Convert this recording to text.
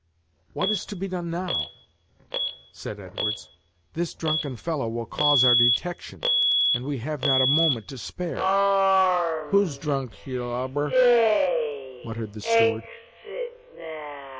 "What is to be done now?" said Edwards; "this drunken fellow will cause our detection, and we have not a moment to spare." "Who's drunk, ye lubber?" muttered the steward.